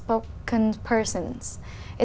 có những câu hỏi